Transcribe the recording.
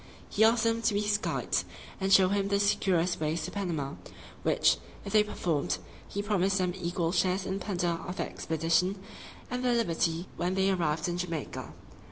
He asked them to be his guides, and show him the securest ways to Panama, which, if they performed, he promised them equal shares in the plunder of that expedition, and their liberty when they arrived in Jamaica.